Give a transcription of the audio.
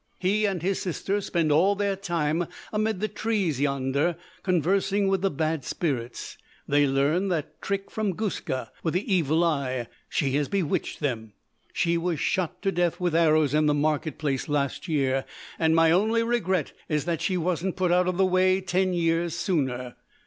He and his sister spend all their time amid the trees yonder conversing with the bad spirits. They learned that trick from Guska, with the evil eye. She has bewitched them. She was shot to death with arrows in the market place last year, and my only regret is that she wasn't put out of the way ten years sooner.